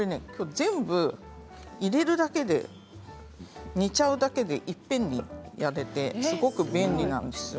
全部、入れるだけで煮ちゃうだけでいっぺんに焼けてすごく便利なんですよ。